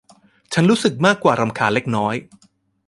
ฉันรู้สึกมากกว่ารำคาญเล็กน้อย